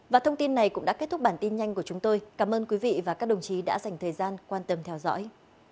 và thông tin này cũng đã kết thúc bản tin nhanh của chúng tôi cảm ơn quý vị và các đồng chí đã dành thời gian quan tâm theo dõi